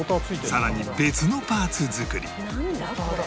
さらに別のパーツ作りなんだ？